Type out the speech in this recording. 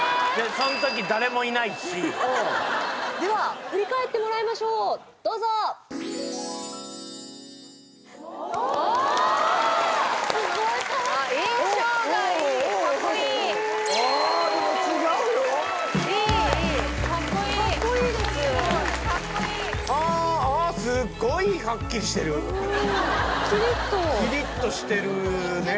えっでは振り返ってもらいましょうどうぞ・おっ・すごい変わった・かっこいいあでも違うよ・いいいい・かっこいいです・かっこいいああっすっごいはっきりしてるキリッとキリッとしてるね・